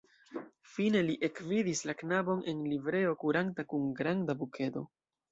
Fine li ekvidis la knabon en livreo kuranta kun granda bukedo.